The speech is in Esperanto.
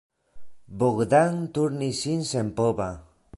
Bogdan turnis sin senpova.